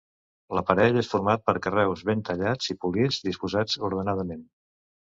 L'aparell és format per carreus ben tallats i polits, disposats ordenadament.